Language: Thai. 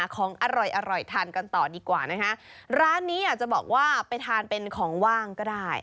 ของอร่อยอร่อยทานกันต่อดีกว่านะคะร้านนี้อยากจะบอกว่าไปทานเป็นของว่างก็ได้